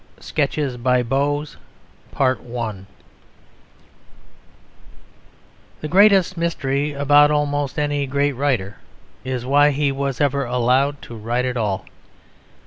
SKETCHES BY BOZ The greatest mystery about almost any great writer is why he was ever allowed to write at all.